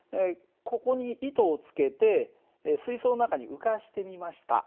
ここに糸をつけて水そうの中に浮かしてみました。